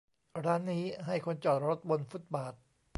ร้านนี้ให้คนจอดรถบนฟุตบาท